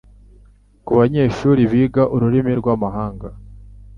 kubanyeshuri biga ururimi rwamahanga